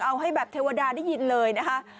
เอาให้แบบเทวดาได้ยินเลยนะคะ